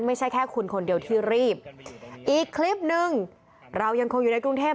ไม่ใช่แค่คุณคนเดียวที่รีบอีกคลิปนึงเรายังคงอยู่ในกรุงเทพ